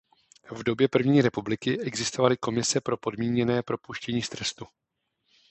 V době první republiky existovaly komise pro podmíněné propuštění z trestu.